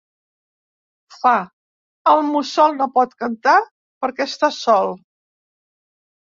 Fa: “El mussol no pot cantar perquè està sol.